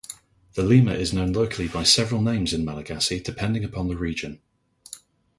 The lemur is known locally by several names in Malagasy, depending upon the region.